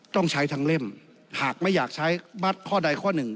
ต้องใช้ทั้งเล่มหากไม่อยากใช้มัดข้อใดข้อหนึ่ง